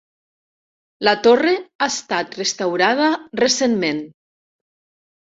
La torre ha estat restaurada recentment.